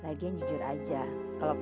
kalau lo anak ini gak punya sepakat